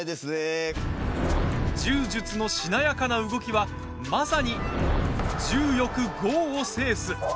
柔術のしなやかな動きはまさに、柔よく剛を制す。